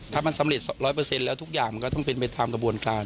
ถ้ามันสำเร็จ๑๐๐แล้วทุกอย่างมันก็ต้องเป็นไปตามกระบวนการ